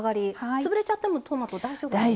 潰れちゃってもトマト大丈夫なんですね。